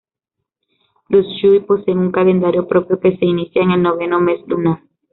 Los shui poseen un calendario propio que se inicia en el noveno mes lunar.